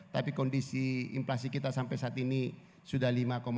tapi kondisi inflasi kita sampai saat ini sudah lima empat